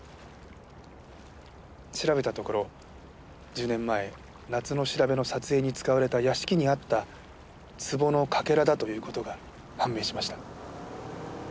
調べたところ１０年前『夏のしらべ』の撮影に使われた屋敷にあった壺のかけらだという事が判明しました。